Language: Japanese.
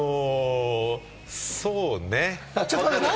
そうね。